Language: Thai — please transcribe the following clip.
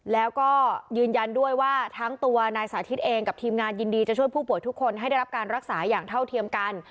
แล้วก็ยืนยันด้วยว่าทั้งตัวนายสาธิตเองกับทีมงานยินดีจะช่วยผู้ป่วยทุกคนให้ได้รับการรักษาอย่างเท่าเทียมกัน